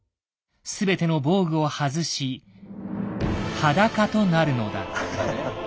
全ての防具を外し裸となるのだ。